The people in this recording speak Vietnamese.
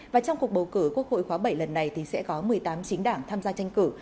và trong cuộc bầu cử quốc hội khóa bảy lần này thì sẽ có một mươi tám chính đảng tham gia tranh cử